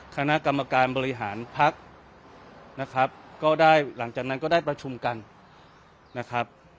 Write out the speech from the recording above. คณะกรรมการบริหารพักนะครับก็ได้หลังจากนั้นก็ได้ประชุมกันนะครับ